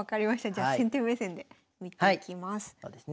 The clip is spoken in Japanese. じゃあ先手目線で見ていきます。